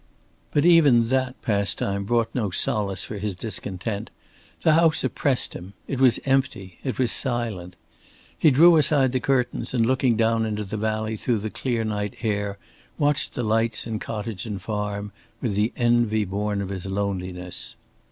But even that pastime brought no solace for his discontent. The house oppressed him. It was empty, it was silent. He drew aside the curtains and looking down into the valley through the clear night air watched the lights in cottage and farm with the envy born of his loneliness.